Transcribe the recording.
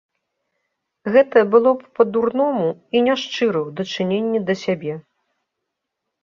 Гэта было б па-дурному і няшчыра ў дачыненні да сябе.